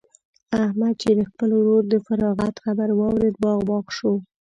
احمد چې د خپل ورور د فراغت خبر واورېد؛ باغ باغ شو.